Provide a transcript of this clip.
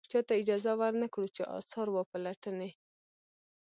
چاته اجازه ور نه کړو چې اثار و پلټنې.